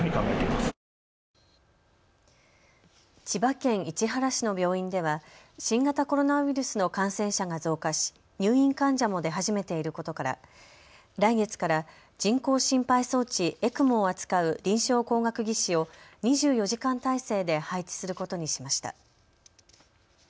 千葉県市原市の病院では新型コロナウイルスの感染者が増加し入院患者も出始めていることから来月から人工心肺装置・ＥＣＭＯを扱う臨床工学技士を２４時間体制で配置することにしました。